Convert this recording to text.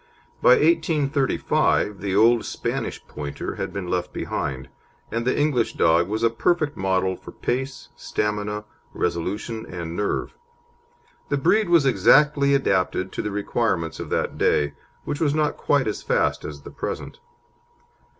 By 1835 the old Spanish Pointer had been left behind, and the English dog was a perfect model for pace, stamina, resolution, and nerve. The breed was exactly adapted to the requirements of that day, which was not quite as fast as the present.